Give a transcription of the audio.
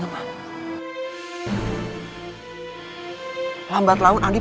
kamu harus rahasiain